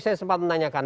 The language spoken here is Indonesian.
saya sempat menanyakan